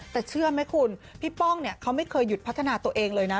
แต่เชื่อไหมคุณพี่ป้องเนี่ยเขาไม่เคยหยุดพัฒนาตัวเองเลยนะ